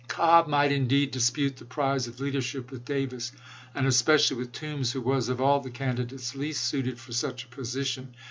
Cobb might indeed dispute the prize of leadership with Davis, and especially with Toombs, who was, of all the candidates, least suited for such a position.